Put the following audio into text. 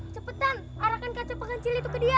cepetan arahkan kaca penghasil itu ke dia